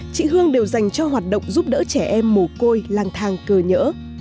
chị hương đều dành cho hoạt động giúp đỡ trẻ em mồ côi lang thang cờ nhỡ